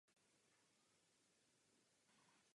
Sídlem regionální rady jsou Mety.